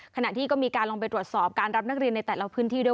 ขณะที่ก็มีการลงไปตรวจสอบการรับนักเรียนในแต่ละพื้นที่ด้วย